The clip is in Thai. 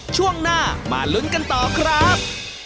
ช่วงหน้ามาลุ้นกันต่อครับ